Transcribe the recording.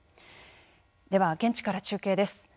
では現地から中継です。